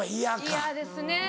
嫌ですね。